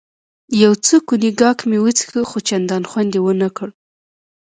یو څه کونیګاک مې وڅېښه، خو چندانې خوند یې ونه کړ.